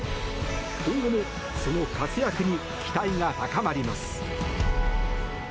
今後も、その活躍に期待が高まります。